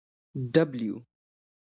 W